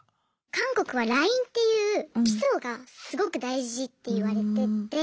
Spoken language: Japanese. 韓国はラインっていう基礎がすごく大事っていわれてて。